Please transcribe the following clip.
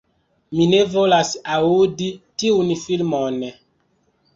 Mi ne volas aŭdi tiun filmon!